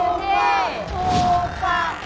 ถูกกว่า